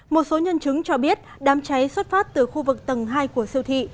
một số nhân chứng cho biết đám cháy xuất phát từ khu vực tầng hai của siêu thị